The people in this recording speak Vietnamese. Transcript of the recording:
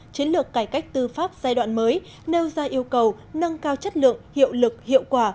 chiến lược cải cách tư pháp giai đoạn mới nêu ra yêu cầu nâng cao chất lượng hiệu lực hiệu quả